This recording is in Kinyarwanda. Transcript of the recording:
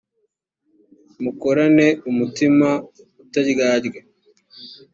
mukorane umutima utaryarya